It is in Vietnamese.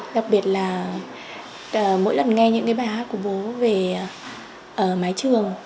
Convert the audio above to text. đặc biệt là mỗi lần nghe những bài hát của bố về mái trường